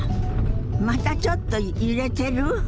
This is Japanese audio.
またちょっと揺れてる？